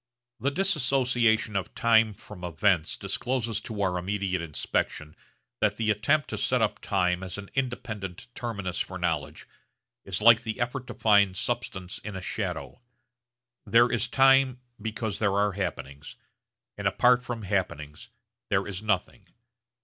The dissociation of time from events discloses to our immediate inspection that the attempt to set up time as an independent terminus for knowledge is like the effort to find substance in a shadow. There is time because there are happenings, and apart from happenings there is nothing.